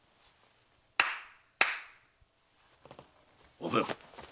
おぶん。